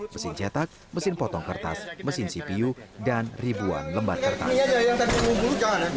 mesin cetak mesin potong kertas mesin cpu dan ribuan lembar kertas